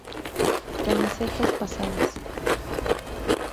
Camisetas Pasadas